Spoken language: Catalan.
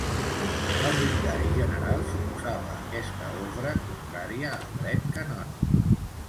El vicari general s'oposava a aquesta ordre, contrària al dret canònic.